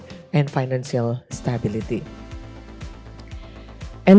dan stabilitas finansial yang tenang